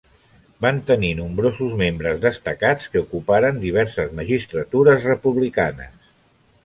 Van tenir nombrosos membres destacats que ocuparen diverses magistratures republicanes.